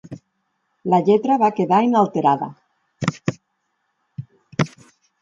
La lletra va quedar inalterada.